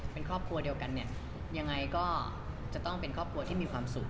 เป็นครอบครัวเดียวกันเนี่ยยังไงก็จะต้องเป็นครอบครัวที่มีความสุข